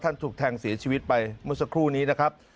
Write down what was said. ถูกแทงเสียชีวิตไปเมื่อสักครู่นี้นะครับ